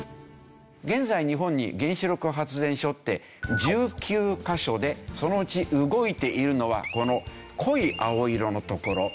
現在日本に原子力発電所って１９カ所でそのうち動いているのはこの濃い青色の所。